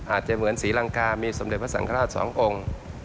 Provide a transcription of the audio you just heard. อาจจะเหมือนศรีลังกามีสมเด็จพระสังฆราชสององค์